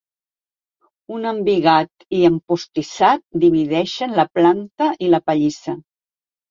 Un embigat i empostissat divideixen la planta i la pallissa.